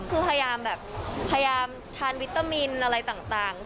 คือพยายามแบบพยายามทานวิตามินอะไรต่าง